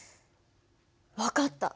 分かった。